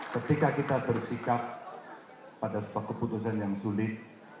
ketika kita bersikap pada suatu keputusan yang sulit